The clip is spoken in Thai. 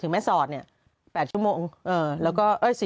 ที่แม่สอดเนี่ยประจำตังครองแล้วก็๔ชั่วโมงแล้วก็จากแม่สอดไป